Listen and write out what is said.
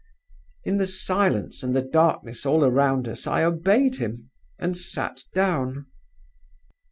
"In the silence and the darkness all round us, I obeyed him, and sat down.